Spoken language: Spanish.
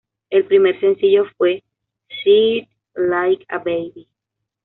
El primer sencillo fue "See It Like a Baby".